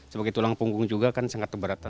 sebagai tulang punggung juga kan sangat keberatan